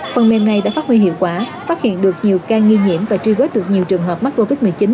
phần mềm này đã phát huy hiệu quả phát hiện được nhiều ca nghi nhiễm và truy vết được nhiều trường hợp mắc covid một mươi chín